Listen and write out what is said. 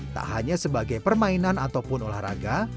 tak hanya sebagai permainan ataupun olahraga